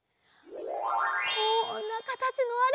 こんなかたちのあれ。